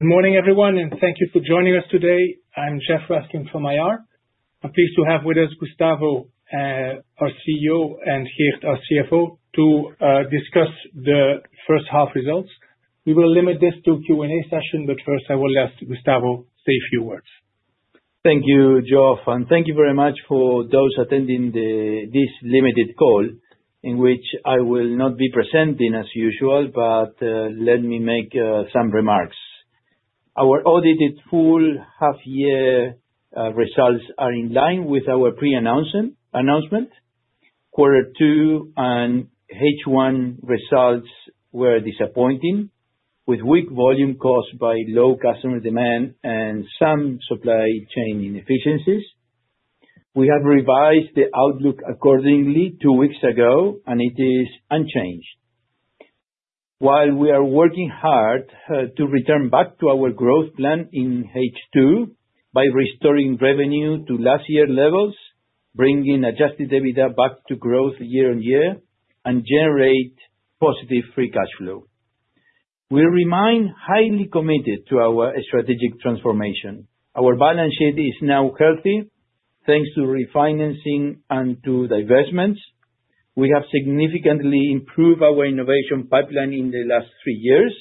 Good morning, everyone, and thank you for joining us today. I'm Geoff Raskin from IR. I'm pleased to have with us Gustavo, our CEO, and Geert, our CFO, to discuss the first half results. We will limit this to a Q&A session, but first, I will let Gustavo say a few words. Thank you, Geoff, and thank you very much for those attending this limited call, in which I will not be presenting as usual, but let me make some remarks. Our audited full half-year results are in line with our pre-announcement. Quarter two and H1 results were disappointing, with weak volume caused by low customer demand and some supply chain inefficiencies. We have revised the outlook accordingly two weeks ago, and it is unchanged. While we are working hard to return back to our growth plan in H2 by restoring revenue to last year's levels, bringing adjusted EBITDA back to growth year on year, and generate positive free cash flow. We remain highly committed to our strategic transformation. Our balance sheet is now healthy, thanks to refinancing and to divestments. We have significantly improved our innovation pipeline in the last three years.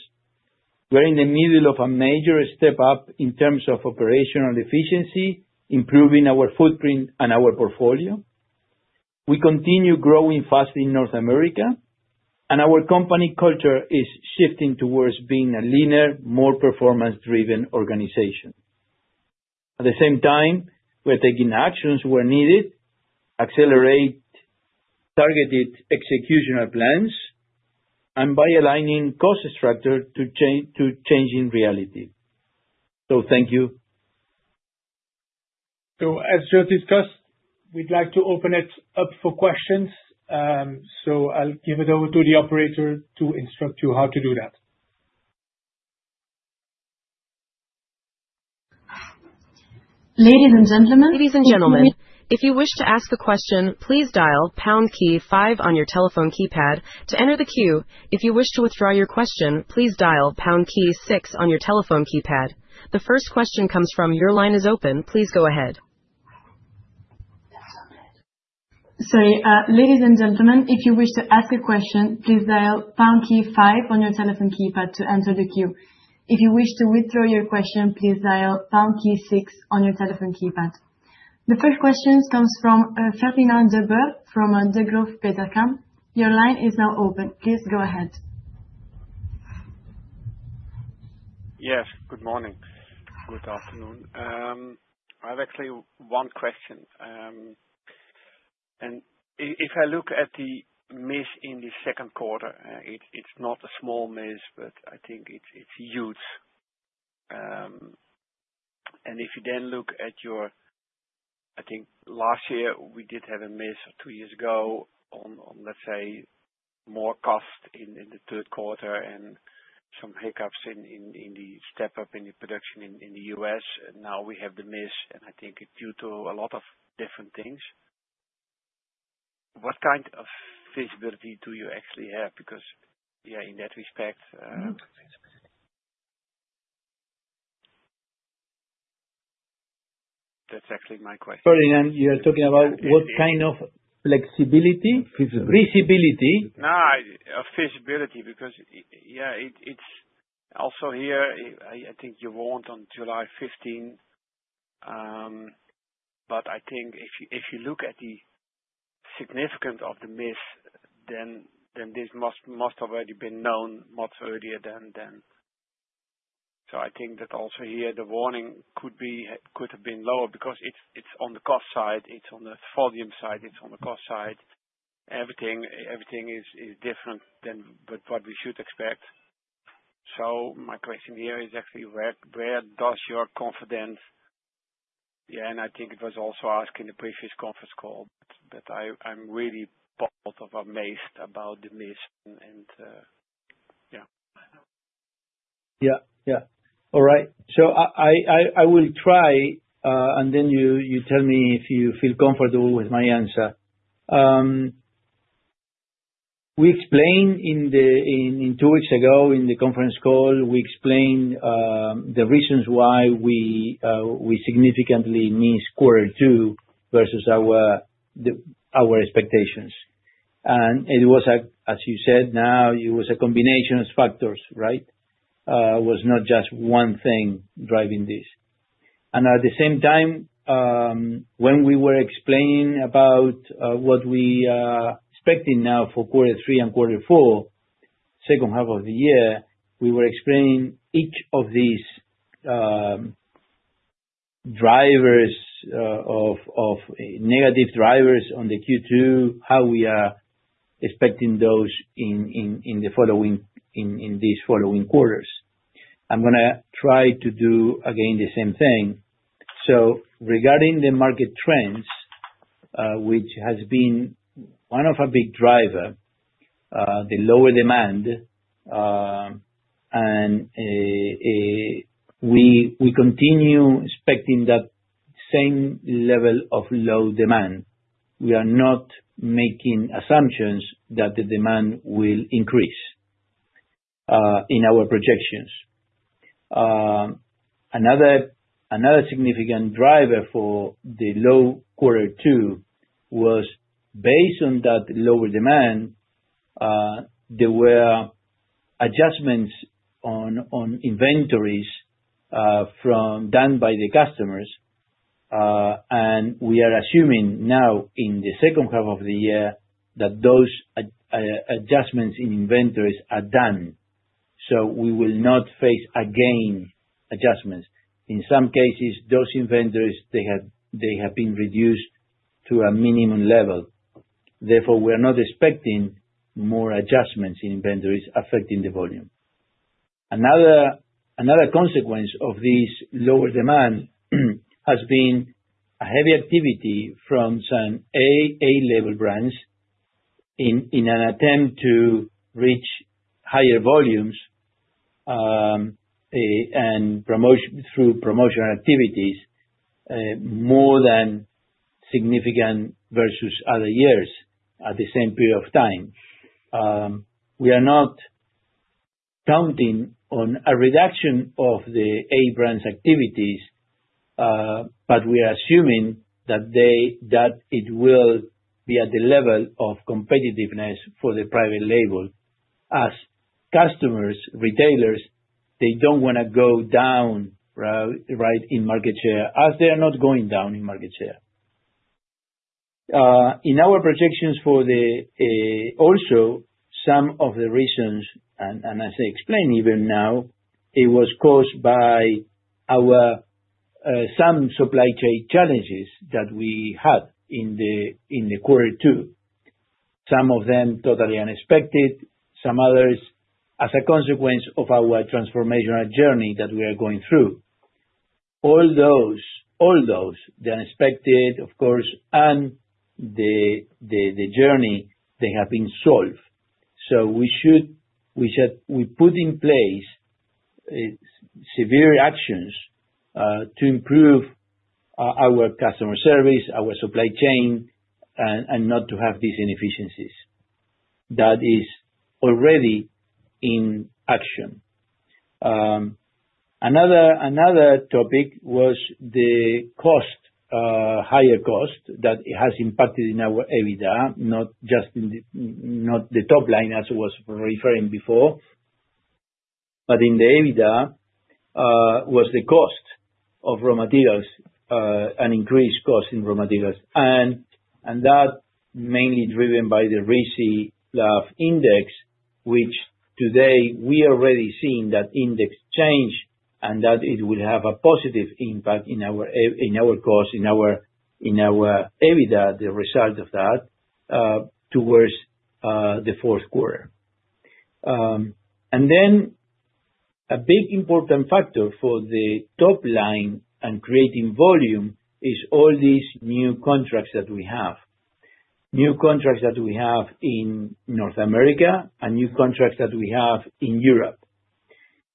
We're in the middle of a major step up in terms of operational efficiency, improving our footprint and our portfolio. We continue growing fast in North America, and our company culture is shifting towards being a leaner, more performance-driven organization. At the same time, we're taking actions where needed to accelerate targeted execution plans and by aligning cost structure to changing reality. Thank you. As Geoffroy discussed, we'd like to open it up for questions. I'll give it over to the operator to instruct you how to do that. Ladies and gentlemen, if you wish to ask a question, please dial pound key five on your telephone keypad to enter the queue. If you wish to withdraw your question, please dial pound key six on your telephone keypad. The first question comes from your line is open. Please go ahead. Sorry. Ladies and gentlemen, if you wish to ask a question, please dial pound key five on your telephone keypad to enter the queue. If you wish to withdraw your question, please dial pound key six on your telephone keypad. The first question comes from Fernand de Boer from Degroof Petercam. Your line is now open. Please go ahead. Yes. Good morning. Good afternoon. I have actually one question. If I look at the miss in the second quarter, it's not a small miss, I think it's huge. If you then look at your, I think last year we did have a miss or two years ago on, let's say, more cost in the third quarter and some hiccups in the step up in the production in the U.S. Now we have the miss, and I think it's due to a lot of different things. What kind of feasibility do you actually have? Because, yeah, in that respect, that's actually my question. Sorry, and you are talking about what kind of flexibility? Feasibility. Feasibility. No, feasibility because, yeah, it's also here, I think you want on July 15. I think if you look at the significance of the miss, then this must have already been known much earlier than then. I think that also here the warning could have been lower because it's on the cost side. It's on the volume side. It's on the cost side. Everything is different than what we should expect. My question here is actually where does your confidence? I think it was also asked in the previous conference call, but I'm really both amazed about the miss and, yeah. Yeah. Yeah. All right. I will try, and then you tell me if you feel comfortable with my answer. We explained two weeks ago in the conference call, we explained the reasons why we significantly missed quarter two versus our expectations. It was, as you said, now it was a combination of factors, right? It was not just one thing driving this. At the same time, when we were explaining about what we expected now for quarter three and quarter four, second half of the year, we were explaining each of these drivers of negative drivers on the Q2, how we are expecting those in the following, in these following quarters. I'm going to try to do again the same thing. Regarding the market trends, which has been one of our big drivers, the lower demand, and we continue expecting that same level of low demand. We are not making assumptions that the demand will increase in our projections. Another significant driver for the low quarter two was based on that lower demand. There were adjustments on inventories done by the customers. We are assuming now in the second half of the year that those adjustments in inventories are done. We will not face again adjustments. In some cases, those inventories, they have been reduced to a minimum level. Therefore, we are not expecting more adjustments in inventories affecting the volume. Another consequence of this lower demand has been a heavy activity from some A level brands in an attempt to reach higher volumes and through promotional activities more than significant versus other years at the same period of time. We are not counting on a reduction of the A brand's activities, but we are assuming that it will be at the level of competitiveness for the private label as customers, retailers, they don't want to go down, right, in market share as they're not going down in market share. In our projections for the also some of the reasons, and as I explained even now, it was caused by some supply chain challenges that we had in the quarter two. Some of them totally unexpected, some others as a consequence of our transformational journey that we are going through. All those, all those, the unexpected, of course, and the journey that have been solved. We said we put in place severe actions to improve our customer service, our supply chain, and not to have these inefficiencies. That is already in action. Another topic was the cost, higher cost that it has impacted in our EBITDA, not just in the top line as it was referring before, but in the EBITDA was the cost of raw materials, an increased cost in raw materials. That mainly driven by the fluff pulp index, which today we are already seeing that index change and that it will have a positive impact in our cost, in our EBITDA, the result of that towards the fourth quarter. A big important factor for the top line and creating volume is all these new contracts that we have. New contracts that we have in North America and new contracts that we have in Europe.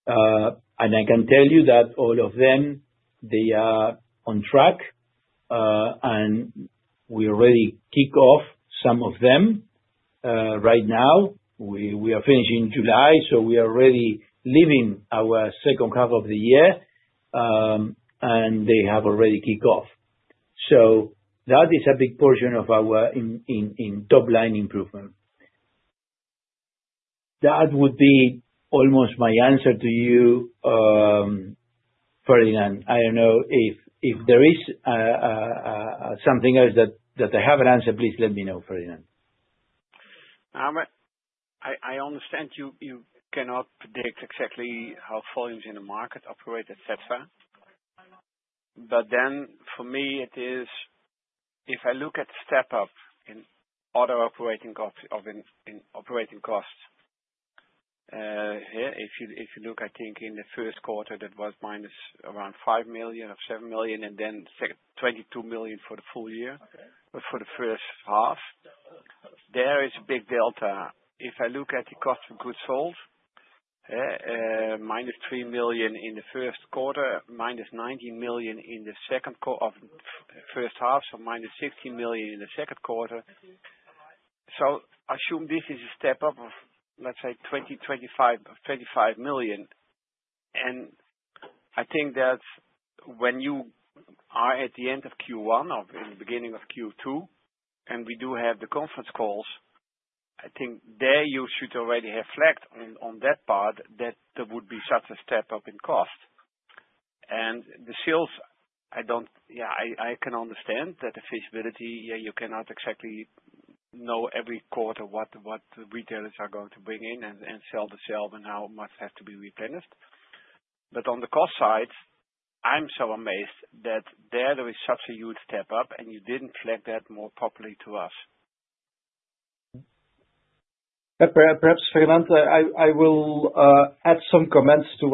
I can tell you that all of them, they are on track, and we already kicked off some of them right now. We are finishing July, so we are already living our second half of the year, and they have already kicked off. That is a big portion of our top line improvement. That would be almost my answer to you, Fernand. I don't know if there is something else that I haven't answered. Please let me know, Fernand. I understand you cannot predict exactly how volumes in the market operate, etc. For me, if I look at step up in other operating costs, if you look, I think in the first quarter that was minus around 5 million or 7 million, and then 22 million for the full year. For the first half, there is a big delta. If I look at the cost of goods sold, -3 million in the first quarter, -19 million in the second of the first half, so -16 million in the second quarter. I assume this is a step up of, let's say, 20 million, 25 million, EUR 25 million. I think that when you are at the end of Q1 or in the beginning of Q2, and we do have the conference calls, I think there you should already have flagged on that part that there would be such a step up in cost. The sales, I don't, I can understand that the feasibility, you cannot exactly know every quarter what the retailers are going to bring in and sell the sale and how much has to be replenished. On the cost side, I'm so amazed that there is such a huge step up, and you didn't flag that more properly to us. Perhaps, Fernand, I will add some comments to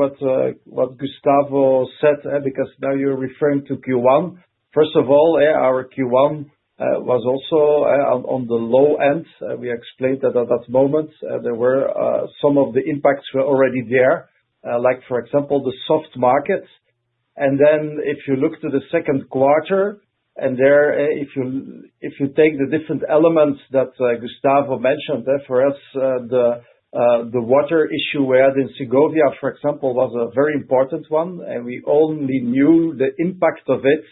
what Gustavo said because now you're referring to Q1. First of all, our Q1 was also on the low end. We explained that at that moment, some of the impacts were already there, like, for example, the soft markets. If you look to the second quarter, and if you take the different elements that Gustavo mentioned, for us, the water issue we had in Segovia, for example, was a very important one. We only knew the impact of it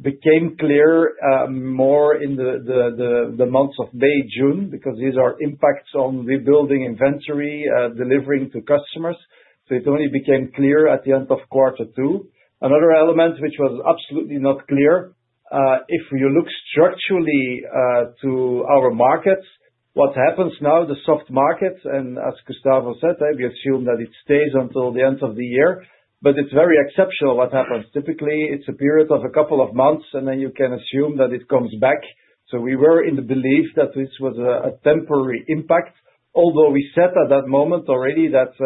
became clear more in the months of May, June because these are impacts on rebuilding inventory, delivering to customers. It only became clear at the end of quarter two. Another element which was absolutely not clear, if you look structurally to our markets, what happens now, the soft markets, and as Gustavo said, we assume that it stays until the end of the year. It is very exceptional what happens. Typically, it's a period of a couple of months, and you can assume that it comes back. We were in the belief that this was a temporary impact, although we said at that moment already that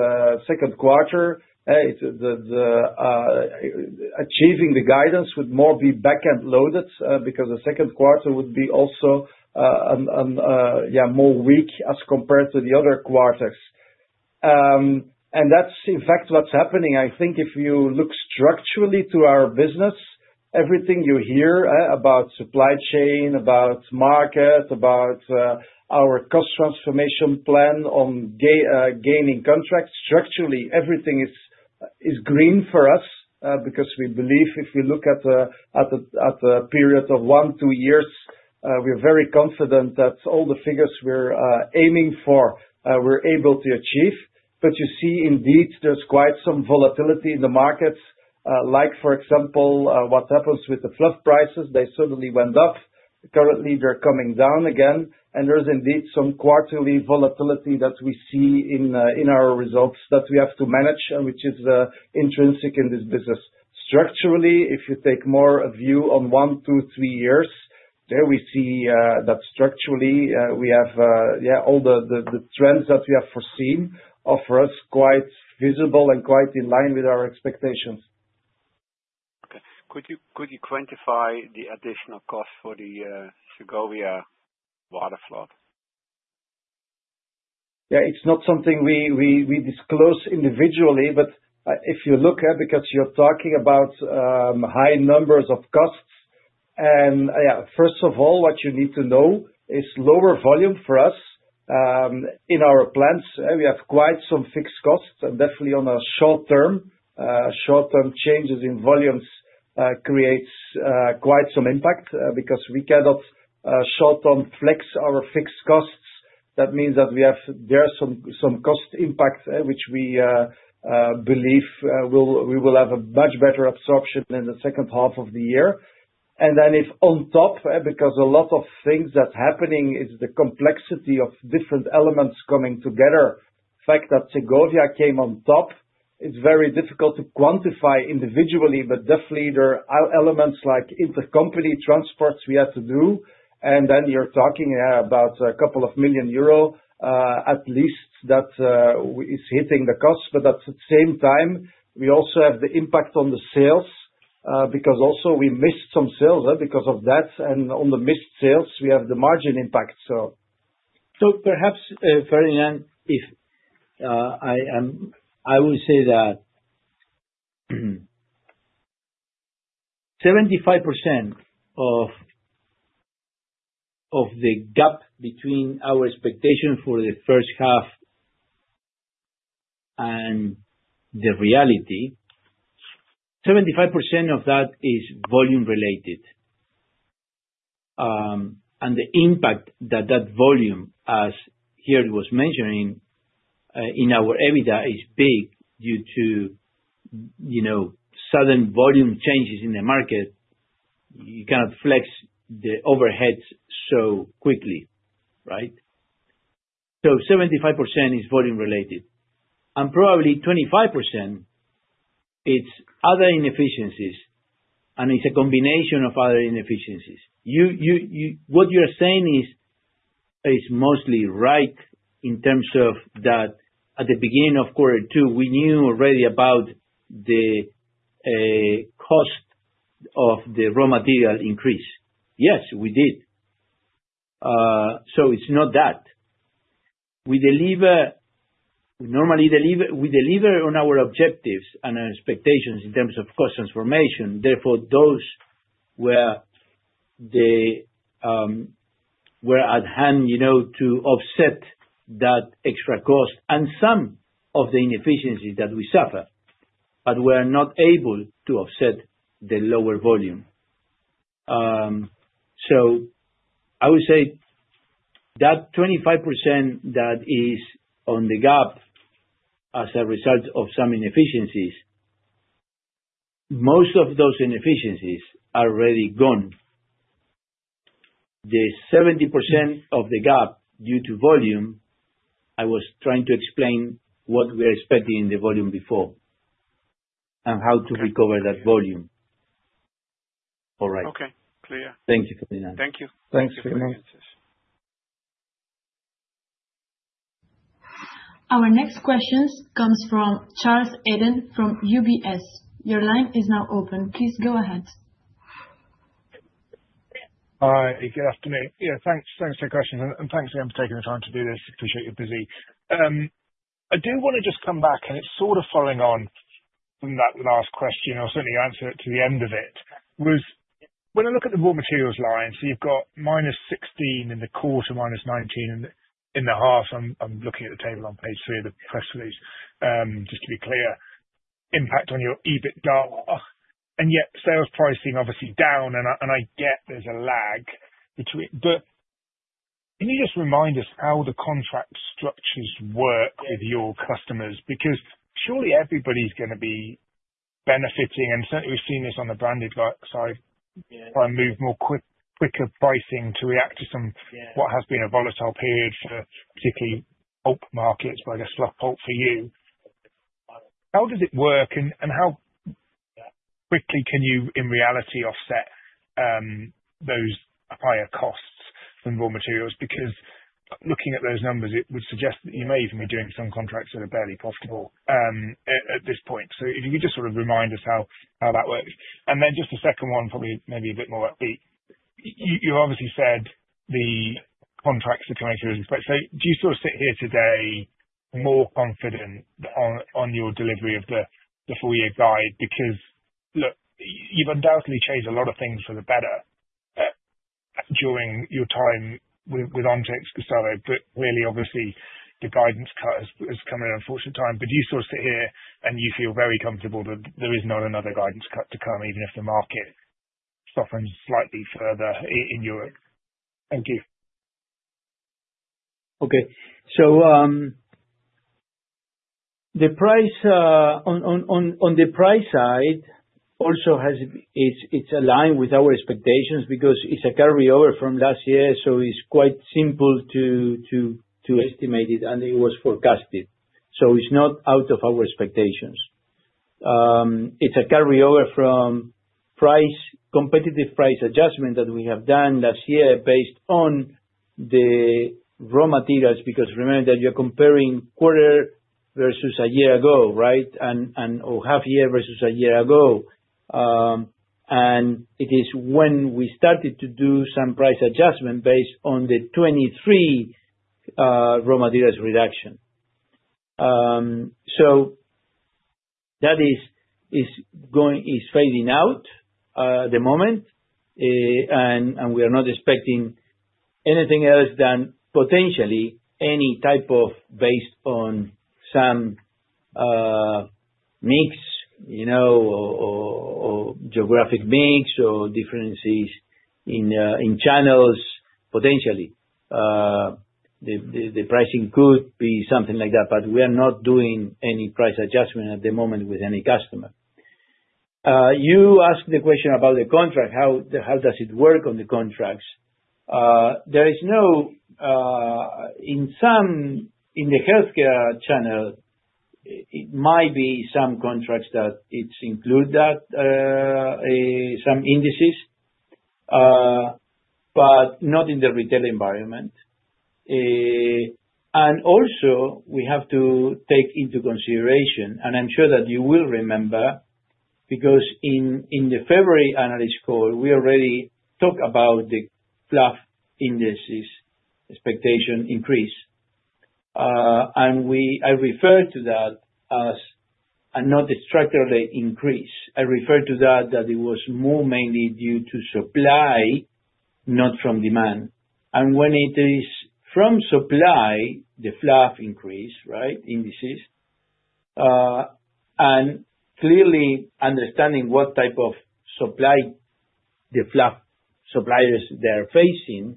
second quarter, achieving the guidance would more be backend loaded because the second quarter would be also, yeah, more weak as compared to the other quarters. That's, in fact, what's happening. I think if you look structurally to our business, everything you hear about supply chain, about market, about our cost transformation plan on gaining contracts, structurally, everything is green for us because we believe if we look at a period of one, two years, we're very confident that all the figures we're aiming for, we're able to achieve. You see, indeed, there's quite some volatility in the markets, like, for example, what happens with the fluff prices. They suddenly went up. Currently, they're coming down again. There's indeed some quarterly volatility that we see in our results that we have to manage, and which is intrinsic in this business. Structurally, if you take more a view on one, two, three years, there we see that structurally, we have, yeah, all the trends that we have foreseen are for us quite visible and quite in line with our expectations. Okay. Could you quantify the additional cost for the Segovia water flood? Yeah, it's not something we disclose individually, but if you look at it because you're talking about high numbers of costs. First of all, what you need to know is lower volume for us. In our plans, we have quite some fixed costs definitely on a short term. Short-term changes in volumes create quite some impact because we cannot short-term flex our fixed costs. That means that we have some cost impacts which we believe we will have a much better absorption in the second half of the year. If on top, because a lot of things that are happening is the complexity of different elements coming together, the fact that Segovia came on top, it's very difficult to quantify individually, but definitely there are elements like intercompany transports we have to do. You're talking about a couple of million euros, at least, that is hitting the cost. At the same time, we also have the impact on the sales because also we missed some sales because of that. On the missed sales, we have the margin impact. Perhaps, Fernand, I will say that 75% of the gap between our expectation for the first half and the reality, 75% of that is volume-related. The impact that that volume, as Geert was mentioning, in our EBITDA is big due to sudden volume changes in the market. You cannot flex the overheads so quickly, right? 75% is volume-related. Probably 25% is other inefficiencies, and it's a combination of other inefficiencies. What you're saying is mostly right in terms of that at the beginning of quarter two, we knew already about the cost of the raw material increase. Yes, we did. It's not that. We deliver, we normally deliver, we deliver on our objectives and our expectations in terms of cost transformation. Therefore, those were at hand to offset that extra cost and some of the inefficiencies that we suffer, but we're not able to offset the lower volume. I would say that 25% that is on the gap as a result of some inefficiencies, most of those inefficiencies are already gone. The 75% of the gap due to volume, I was trying to explain what we are expecting in the volume before and how to recover that volume. All right. Okay. Clear. Thank you, Fernand. Thank you. Thank you. Our next question comes from Charles Eden from UBS. Your line is now open. Please go ahead. Hi. Good afternoon. Thanks for the question. Thanks again for taking the time to do this. Appreciate you're busy. I do want to just come back, and it's sort of following on from that last question. I'll certainly answer it to the end of it. When I look at the raw materials line, you've got -16 in the quarter, -19 in the half. I'm looking at the table on page three of the press release, just to be clear, impact on your EBITDA. Yet sales pricing obviously down, and I get there's a lag between. Can you just remind us how the contract structures work with your customers? Surely everybody's going to be benefiting, and certainly we've seen this on the branded side try and move more quicker pricing to react to what has been a volatile period, particularly bulk markets like a stock bulk for you. How does it work, and how quickly can you, in reality, offset those higher costs from raw materials? Looking at those numbers, it would suggest that you may even be doing some contracts that are barely profitable at this point. If you could just sort of remind us how that works. The second one, probably maybe a bit more upbeat. You obviously said the contract situation is, but do you sort of sit here today more confident on your delivery of the four-year guide? Look, you've undoubtedly changed a lot of things for the better during your time with Ontex, Gustavo, but really, obviously, the guidance cut has come at an unfortunate time. Do you sort of sit here and you feel very comfortable that there is not another guidance cut to come, even if the market is softening slightly further in Europe? Thank you. Okay. The price on the price side also has its alignment with our expectations because it's a carryover from last year. It's quite simple to estimate it, and it was forecasted. It's not out of our expectations. It's a carryover from competitive price adjustment that we have done last year based on the raw materials because remember that you're comparing quarter versus a year ago, right? Or half year versus a year ago. It is when we started to do some price adjustment based on the 2023 raw materials reduction. That is fading out at the moment. We are not expecting anything else than potentially any type of, based on some mix, you know, or geographic mix or differences in channels potentially. The pricing could be something like that, but we are not doing any price adjustment at the moment with any customer. You asked the question about the contract. How does it work on the contracts? There is no, in some, in the healthcare channel, it might be some contracts that include that, some indices, but not in the retail environment. Also, we have to take into consideration, and I'm sure that you will remember because in the February analyst call, we already talked about the fluff indices expectation increase. I referred to that as not a structural increase. I referred to that, that it was more mainly due to supply, not from demand. When it is from supply, the fluff increase, right, indices. Clearly understanding what type of supply the fluff suppliers they're facing,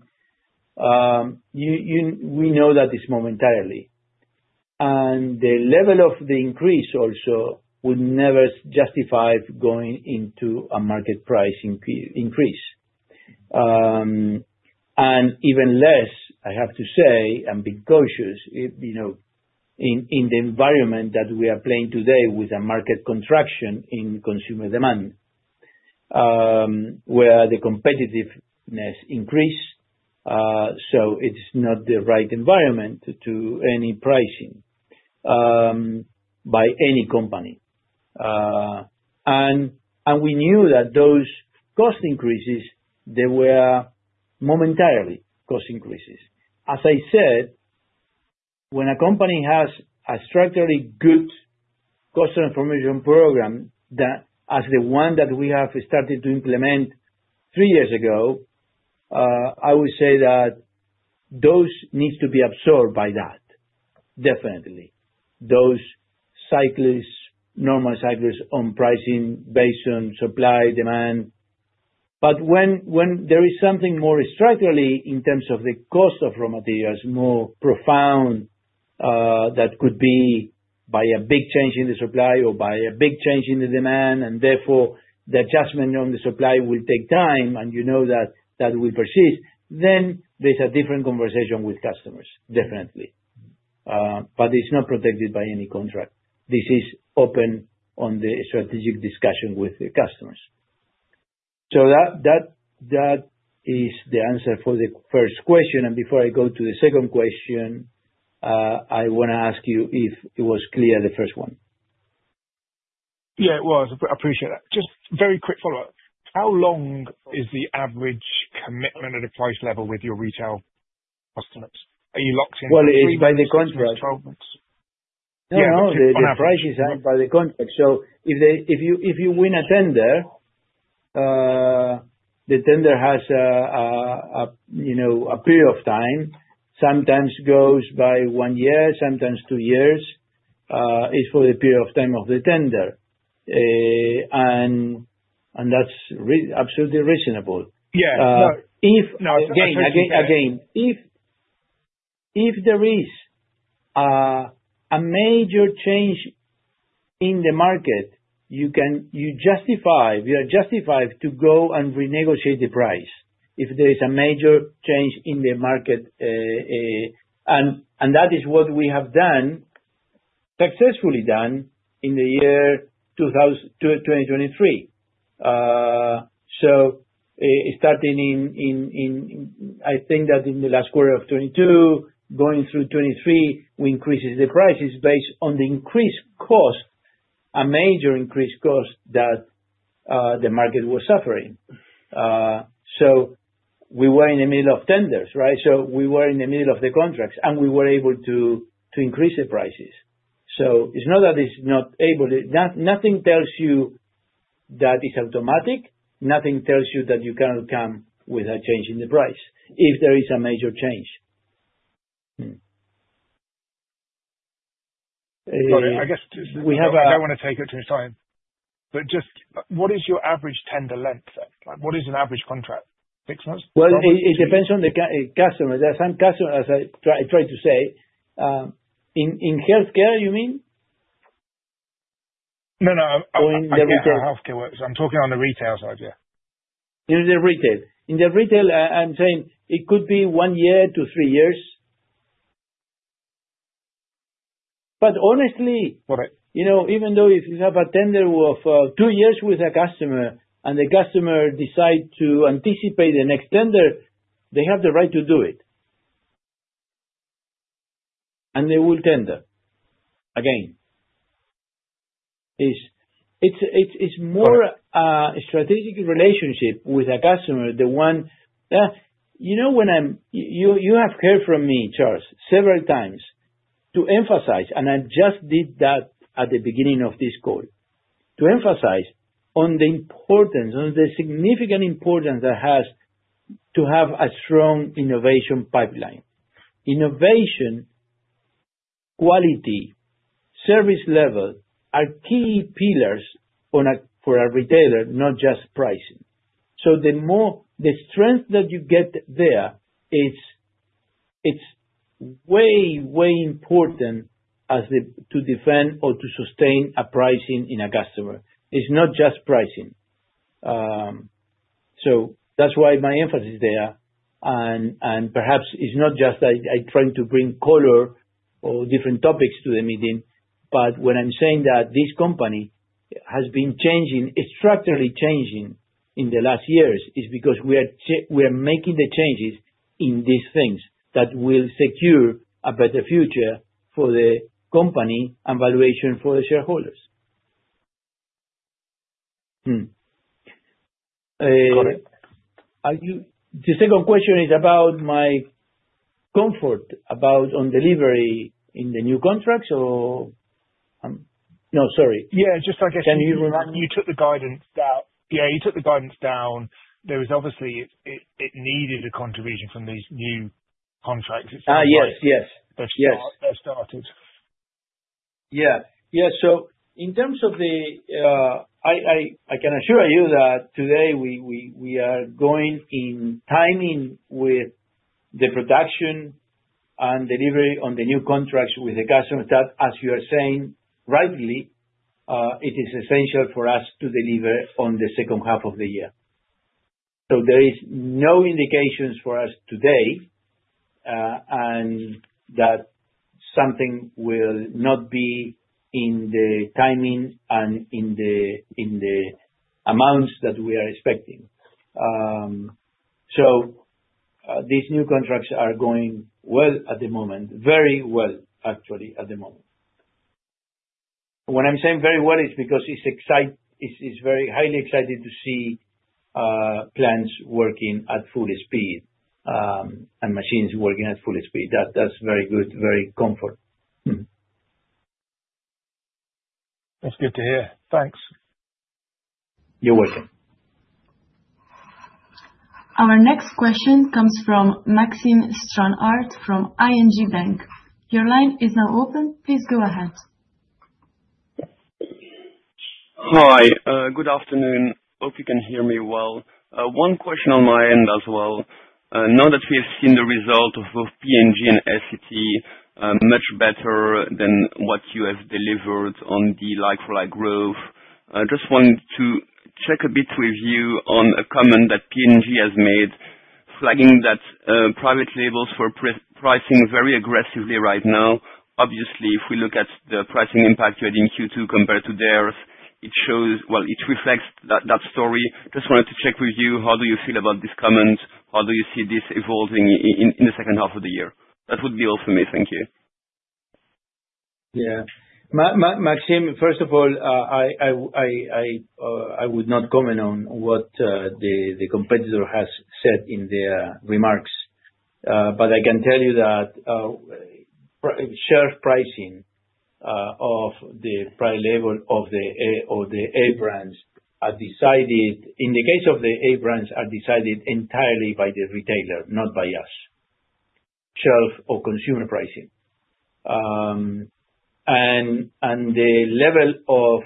we know that it's momentarily. The level of the increase also would never justify going into a market price increase. Even less, I have to say, and be cautious, you know, in the environment that we are playing today with a market contraction in consumer demand where the competitiveness increases. It's not the right environment to do any pricing by any company. We knew that those cost increases, they were momentarily cost increases. As I said, when a company has a structurally good cost information program that, as the one that we have started to implement three years ago, I would say that those need to be absorbed by that, definitely. Those cycles, normal cycles on pricing based on supply, demand. When there is something more structurally in terms of the cost of raw materials, more profound, that could be by a big change in the supply or by a big change in the demand, and therefore, the adjustment on the supply will take time, and you know that that will persist, then there's a different conversation with customers, definitely. It's not protected by any contract. This is open on the strategic discussion with the customers. That is the answer for the first question. Before I go to the second question, I want to ask you if it was clear, the first one. Yeah, it was. I appreciate that. Just very quick follow-up. How long is the average commitment of the price level with your retail customers? Are you locked in? It is by the contract. Yeah, the price is signed by the contract. If you win a tender, the tender has a period of time, sometimes goes by one year, sometimes two years, is for the period of time of the tender. That's absolutely reasonable. Yeah, if again, if there is a major change in the market, you can, you are justified to go and renegotiate the price if there is a major change in the market. That is what we have done, successfully done, in the year 2023.Starting in, I think that in the last quarter of 2022, going through 2023, we increased the prices based on the increased cost, a major increased cost that the market was suffering. We were in the middle of tenders, right? We were in the middle of the contracts, and we were able to increase the prices. It's not that it's not able to, nothing tells you that it's automatic. Nothing tells you that you cannot come with a change in the price if there is a major change. I guess we have, I don't want to take up too much time, but just what is your average tender length? What is an average contract? Six months? It depends on the customer. There are some customers, as I tried to say, in healthcare, you mean? No, no. I mean, healthcare works. I'm talking on the retail side, yeah. In the retail, I'm saying it could be one year to three years. Honestly, even though if you have a tender of two years with a customer and the customer decides to anticipate the next tender, they have the right to do it. They will tender again. It's more a strategic relationship with a customer. You have heard from me, Charles, several times to emphasize, and I just did that at the beginning of this call, to emphasize the importance, the significant importance that has to have a strong innovation pipeline. Innovation, quality, service level are key pillars for a retailer, not just pricing. The more the strength that you get there, it's way, way important as to defend or to sustain a pricing in a customer. It's not just pricing. That's why my emphasis there. Perhaps it's not just that I'm trying to bring color or different topics to the meeting, but when I'm saying that this company has been changing, structurally changing in the last years, it's because we are making the changes in these things that will secure a better future for the company and valuation for the shareholders. Got it. The second question is about my comfort about delivery in the new contracts. Yeah, just like I said, you reminded me you took the guidance down. You took the guidance down. There was obviously, it needed a contribution from these new contracts. yes, yes. That started. Yeah. In terms of the, I can assure you that today we are going in timing with the production and delivery on the new contracts with the customers. As you are saying rightly, it is essential for us to deliver on the second half of the year. There is no indication for us today that something will not be in the timing and in the amounts that we are expecting. These new contracts are going well at the moment, very well, actually, at the moment. When I'm saying very well, it's because it's exciting. It's very highly exciting to see plants working at full speed and machines working at full speed. That's very good, very comforting. That's good to hear. Thanks. You're welcome. Our next question comes from Maxime Stranart from ING Bank. Your line is now open. Please go ahead. Hi. Good afternoon. Hope you can hear me well. One question on my end as well. Now that we have seen the result of P&G and SCT much better than what you have delivered on the like-for-like growth, I just wanted to check a bit with you on a comment that P&G has made, flagging that private labels are pricing very aggressively right now. Obviously, if we look at the pricing impact you had in Q2 compared to theirs, it shows, it reflects that story. Just wanted to check with you, how do you feel about these comments? How do you see this evolving in the second half of the year? That would be all for me. Thank you. Yeah. Maxime, first of all, I would not comment on what the competitor has said in their remarks. I can tell you that shelf pricing of the price level of the A brands are decided, in the case of the A brands, are decided entirely by the retailer, not by us. Shelf or consumer pricing, and the level of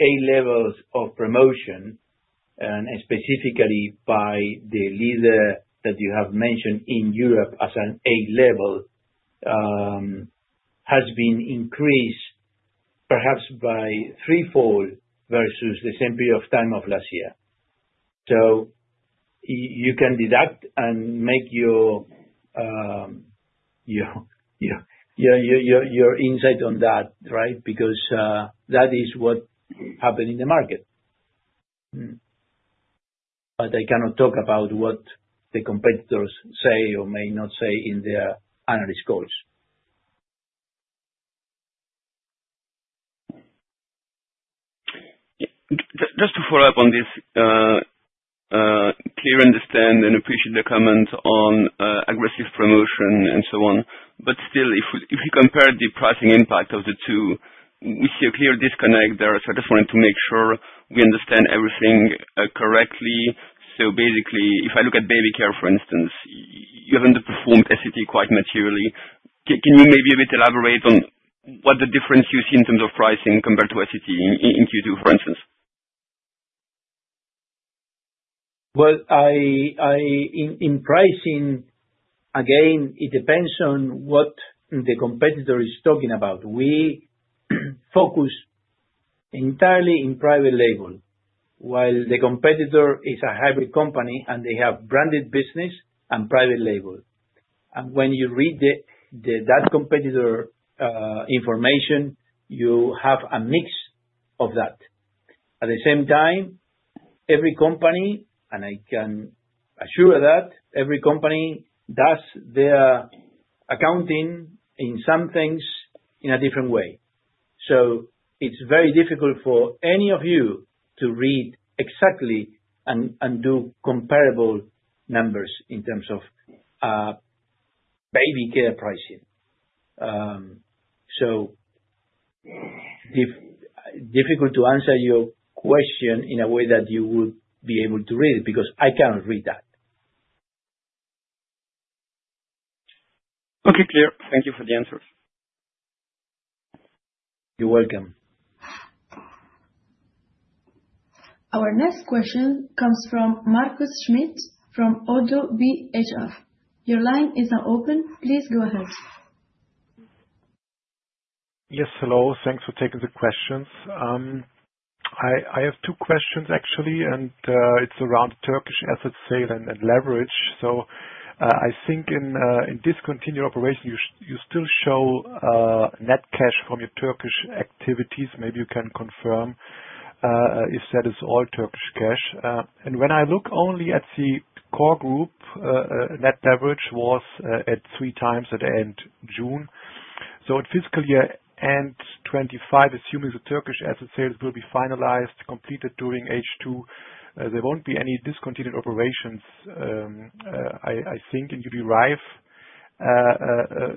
A levels of promotion, and specifically by the leader that you have mentioned in Europe as an A level, has been increased perhaps by threefold versus the same period of time of last year. You can deduct and make your insight on that, right? That is what happened in the market. I cannot talk about what the competitors say or may not say in their analyst calls. Just to follow up on this, clearly understand and appreciate the comments on aggressive promotion and so on. If you compare the pricing impact of the two, we see a clear disconnect there. I just wanted to make sure we understand everything correctly. Basically, if I look at baby care, for instance, you haven't performed SCT quite materially. Can you maybe elaborate a bit on what the difference you see in terms of pricing compared to SCT in Q2, for instance? In pricing, again, it depends on what the competitor is talking about. We focus entirely on private label while the competitor is a hybrid company and they have branded business and private label. When you read that competitor information, you have a mix of that. At the same time, every company, and I can assure that every company does their accounting in some things in a different way. It's very difficult for any of you to read exactly and do comparable numbers in terms of baby care pricing. It's difficult to answer your question in a way that you would be able to read it because I cannot read that. Okay, clear. Thank you for the answers. You're welcome. Our next question comes from Markus Schmitt from ODDO BHF. Your line is now open. Please go ahead. Yes. Hello. Thanks for taking the questions. I have two questions, actually, and it's around Turkish asset sale and leverage. I think in discontinued operations, you still show net cash from your Turkish activities. Maybe you can confirm if that is all Turkish cash. When I look only at the core group, net leverage was at 3x at the end of June. In fiscal year-end 2025, assuming the Turkish asset sales will be finalized, completed during H2, there won't be any discontinued operations, I think, in UBS.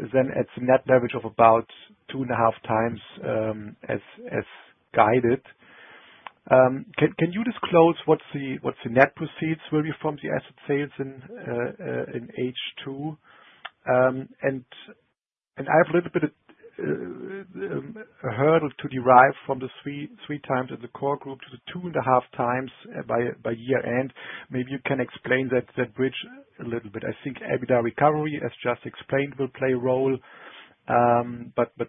It's a net leverage of about 2.5x as guided. Can you disclose what the net proceeds will be from the asset sales in H2? I have a little bit of a hurdle to derive from the 3x in the core group to the 2.5x by year-end. Maybe you can explain that bridge a little bit. I think EBITDA recovery, as just explained, will play a role.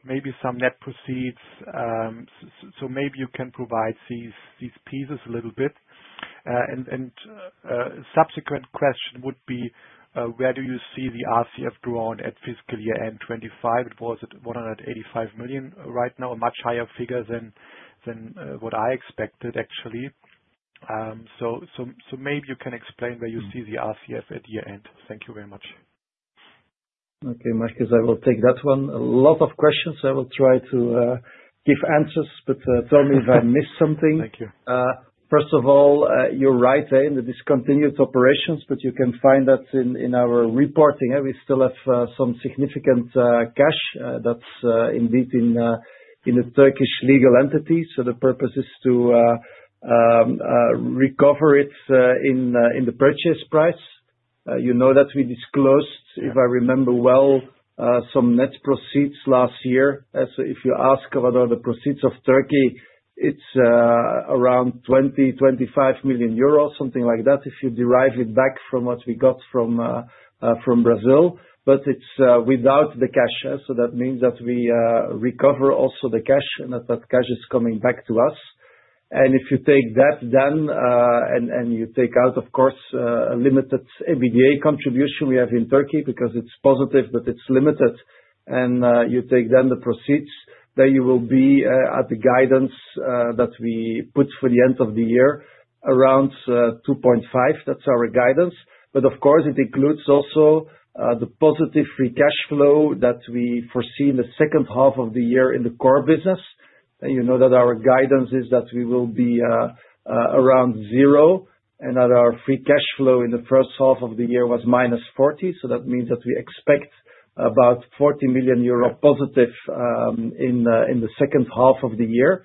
Maybe some net proceeds. Maybe you can provide these pieces a little bit. A subsequent question would be, where do you see the RCF drawn at fiscal year-end 2025? It was at 185 million right now, a much higher figure than what I expected, actually. Maybe you can explain where you see the RCF at year-end. Thank you very much. Okay, Markus, I will take that one. A lot of questions. I will try to give answers, but tell me if I missed something. Thank you. First of all, you're right there in the discontinued operations, but you can find that in our reporting. We still have some significant cash that's indeed in a Turkish legal entity. The purpose is to recover it in the purchase price. You know that we disclosed, if I remember well, some net proceeds last year. If you ask about the proceeds of Turkey, it's around 20 million, 25 million euros, something like that, if you derive it back from what we got from Brazil. It's without the cash. That means that we recover also the cash, and that that cash is coming back to us. If you take that then, and you take out, of course, a limited EBITDA contribution we have in Turkey because it's positive, but it's limited, and you take then the proceeds, you will be at the guidance that we put for the end of the year around 2.5. That's our guidance. Of course, it includes also the positive free cash flow that we foresee in the second half of the year in the core business. You know that our guidance is that we will be around zero, and that our free cash flow in the first half of the year was minus 40 million. That means that we expect about +40 million euro in the second half of the year.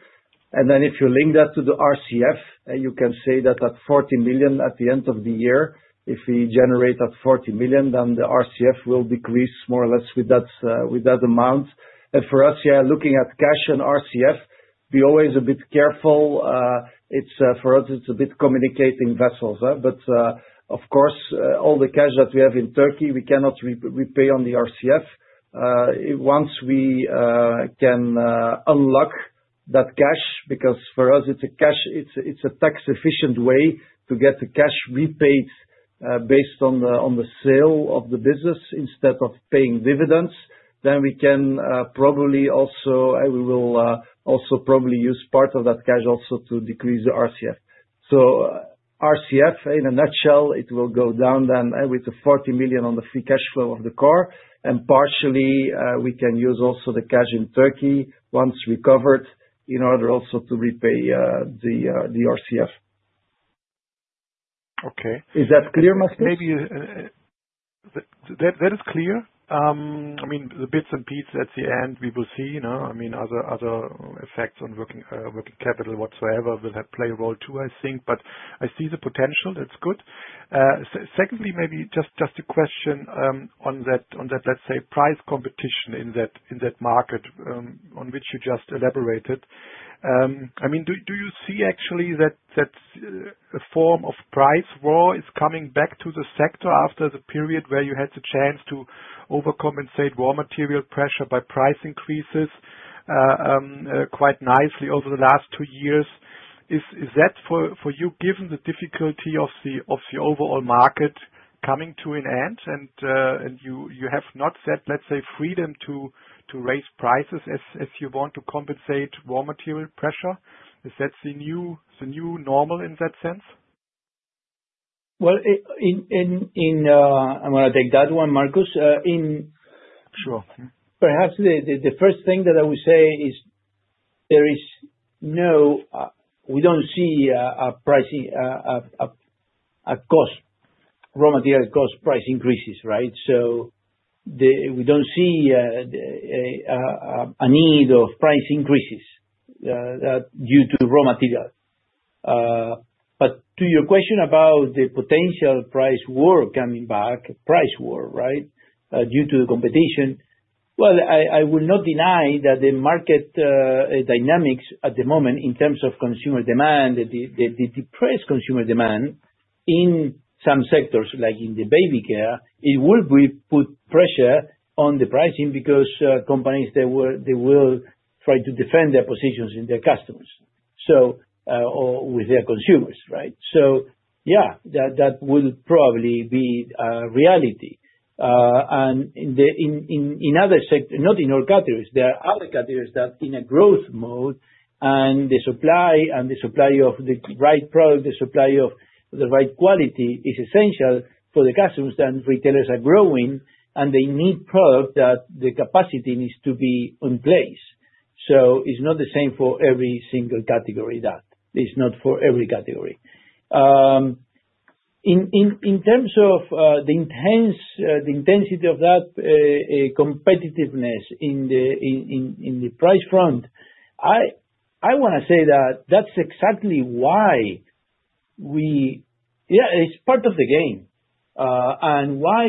If you link that to the RCF, you can say that at 40 million at the end of the year, if we generate at 40 million, then the RCF will decrease more or less with that amount. For us, looking at cash and RCF, we're always a bit careful. For us, it's a bit communicating vessels. Of course, all the cash that we have in Turkey, we cannot repay on the RCF. Once we can unlock that cash, because for us, it's a tax-efficient way to get the cash repaid based on the sale of the business instead of paying dividends, we can probably also, and we will also probably use part of that cash also to decrease the RCF. RCF, in a nutshell, it will go down then with the 40 million on the free cash flow of the core. Partially, we can use also the cash in Turkey once recovered in order also to repay the RCF. Okay. Is that clear, Markus? That is clear. The bits and pieces at the end, we will see. Other effects on working capital whatsoever will play a role too, I think. I see the potential. That's good. Secondly, maybe just a question on that, let's say, price competition in that market on which you just elaborated. Do you see actually that a form of price war is coming back to the sector after the period where you had the chance to overcompensate raw material pressure by price increases quite nicely over the last two years? Is that for you, given the difficulty of the overall market coming to an end, and you have not set, let's say, freedom to raise prices as you want to compensate raw material pressure? Is that the new normal in that sense? I'm going to take that one, Markus. Sure. Perhaps the first thing that I would say is there is no, we don't see a cost, raw material cost price increases, right? We don't see a need of price increases due to raw material. To your question about the potential price war coming back, price war, right, due to the competition, I will not deny that the market dynamics at the moment in terms of consumer demand, the depressed consumer demand in some sectors, like in the baby care, it will put pressure on the pricing because companies, they will try to defend their positions in their customers or with their consumers, right? That will probably be a reality. In other sectors, not in all categories, there are other categories that in a growth mode, and the supply and the supply of the right product, the supply of the right quality is essential for the customers and retailers are growing, and they need products that the capacity needs to be in place. It's not the same for every single category, that is not for every category. In terms of the intensity of that competitiveness in the price front, I want to say that that's exactly why we, yeah, it's part of the game. That is why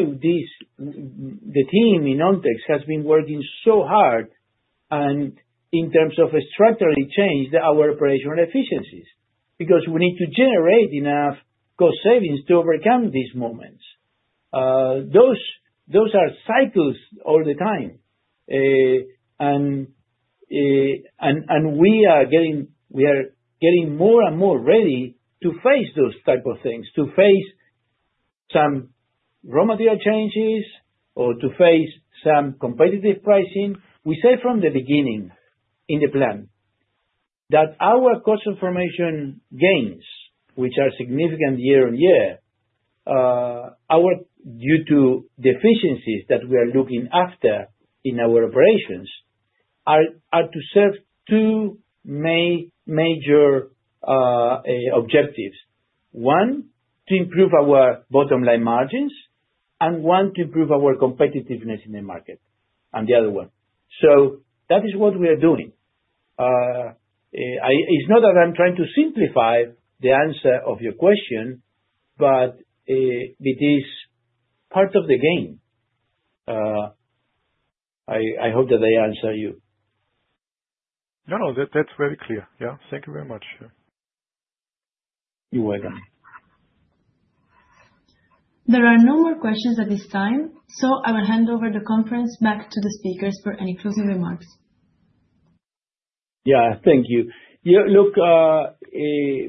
the team in Ontex has been working so hard in terms of a structural change that our operational efficiencies because we need to generate enough cost savings to overcome these moments. Those are cycles all the time. We are getting more and more ready to face those types of things, to face some raw material changes or to face some competitive pricing. We say from the beginning in the plan that our cost information gains, which are significant year on year, due to deficiencies that we are looking after in our operations, are to serve two major objectives: one, to improve our bottom line margins, and one, to improve our competitiveness in the market, and the other one. That is what we are doing. It's not that I'm trying to simplify the answer of your question, but it is part of the game. I hope that I answered you. No, no, that's very clear. Yeah, thank you very much. You're welcome. There are no more questions at this time. I will hand over the conference back to the speakers for any closing remarks. Yeah, thank you. Look, we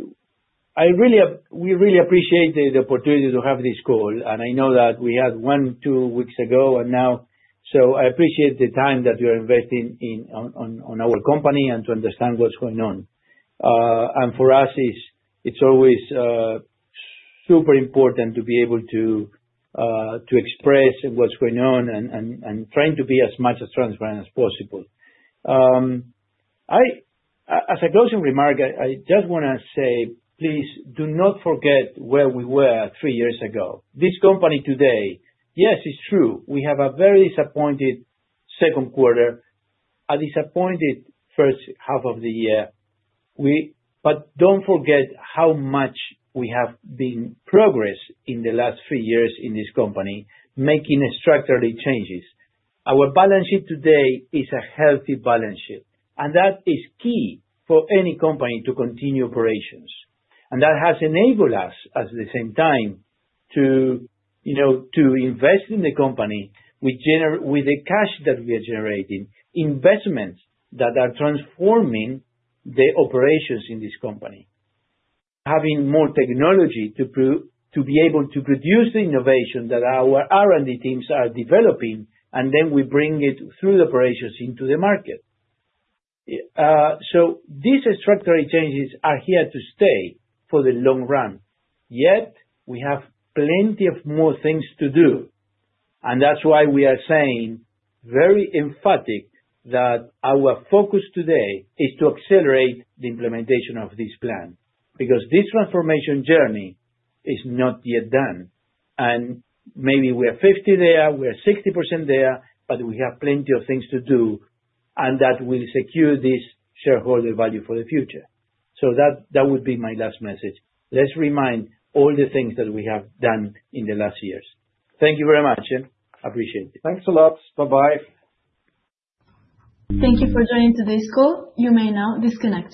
really appreciate the opportunity to have this call. I know that we had one two weeks ago and now. I appreciate the time that you are investing in our company and to understand what's going on. For us, it's always super important to be able to express what's going on and trying to be as much as transparent as possible. As a closing remark, I just want to say, please do not forget where we were three years ago. This company today, yes, it's true. We have a very disappointed second quarter, a disappointed first half of the year. Don't forget how much we have been progressing in the last three years in this company, making structural changes. Our balance sheet today is a healthy balance sheet. That is key for any company to continue operations. That has enabled us, at the same time, to invest in the company with the cash that we are generating, investments that are transforming the operations in this company, having more technology to be able to produce the innovation that our R&D teams are developing, and then we bring it through the operations into the market. These structural changes are here to stay for the long run. Yet, we have plenty of more things to do. That's why we are saying very emphatic that our focus today is to accelerate the implementation of this plan because this transformation journey is not yet done. Maybe we are 50% there, we are 60% there, but we have plenty of things to do, and that will secure this shareholder value for the future. That would be my last message. Let's remind all the things that we have done in the last years. Thank you very much. I appreciate it. Thanks a lot. Bye-bye. Thank you for joining today's call. You may now disconnect.